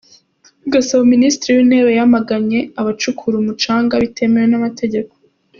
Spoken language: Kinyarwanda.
Gasabo Minisitiri w’intebe yamaganye abacukura umucanga bitemewe n’amategeko